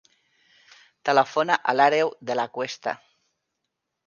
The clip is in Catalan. Telefona a l'Àreu De La Cuesta.